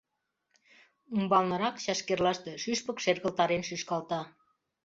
Умбалнырак, чашкерлаште, шӱшпык шергылтарен шӱшкалта.